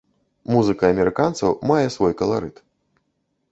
Музыка амерыканцаў мае свой каларыт.